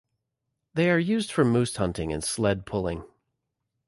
They are used for moose hunting and sled pulling.